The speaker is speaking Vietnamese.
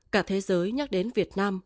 cả thế giới nhắc đến việt nam